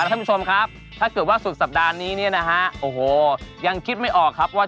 ตามแอฟผู้ชมห้องน้ำด้านนอกกันเลยดีกว่าครับ